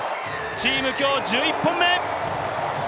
チーム、きょう１１本目！